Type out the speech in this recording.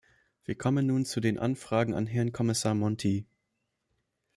Wir kommen nun zu den Anfragen an Herrn Kommissar Monti.